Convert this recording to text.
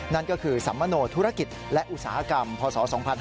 นั่นก็คือสัมมโนธุรกิจและอุตสาหกรรมพศ๒๕๕๙